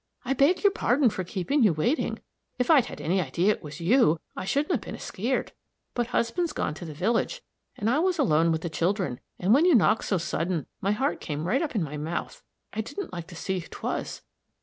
"I beg your pardon for keeping you waiting. If I'd had any idea it was you, I shouldn't a' been skeered. But husband's gone to the village, and I was alone with the children, and when you knocked so sudden, my heart came right up in my mouth. I didn't like to see who 'twas.